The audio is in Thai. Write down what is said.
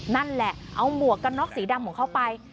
นั่นแหละเอาหมวกกันน็อกสีดำของเขาไป